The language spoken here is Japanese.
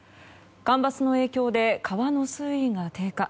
干ばつの影響で川の水位が低下。